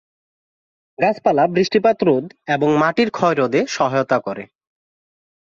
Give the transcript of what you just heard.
গাছপালা বৃষ্টিপাত রোধ এবং মাটির ক্ষয় রোধে সহায়তা করে।